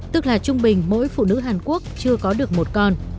tức là trung bình mỗi phụ nữ hàn quốc chưa có được một con